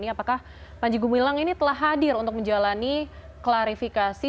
apakah panji gumilang ini telah hadir untuk menjalani klarifikasi